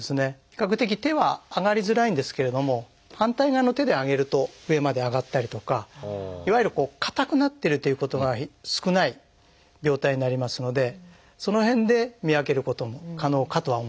比較的手は上がりづらいんですけれども反対側の手で上げると上まで上がったりとかいわゆる硬くなってるということが少ない病態になりますのでその辺で見分けることも可能かとは思います。